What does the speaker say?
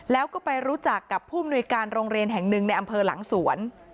แล้วก็ไปรู้จักกับผู้มนุยการโรงเรียนแห่งหนึ่งในอำเภอหลังสวน